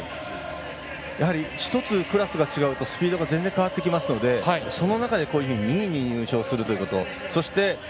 やはり１つクラスが違うとスピードが全然変わってきますのでその中で２位に入賞するということ。